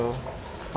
sebenarnya di awal awal